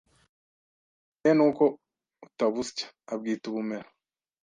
Birakomeye nuko utabusya abwita ubumera